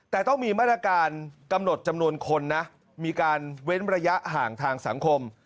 แต่ต้องมีมาตรการกำหนดจำนวนคนนะมีการเว้นระยะห่างทางสังคม